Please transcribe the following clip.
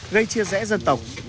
gây chia rẽ dân tộc